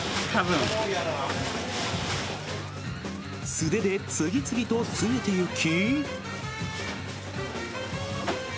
素手で次々と詰めていき。